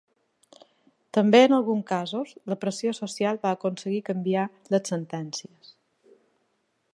També en alguns casos, la pressió social va aconseguir canviar les sentències.